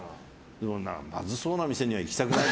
でも、まずそうな店には行きたくない。